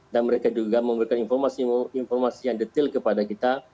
dan mereka juga memberikan informasi yang detail kepada kita